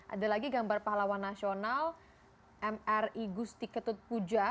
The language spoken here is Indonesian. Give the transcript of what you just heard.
ada lagi gambar pahlawan nasional mri gusti ketut puja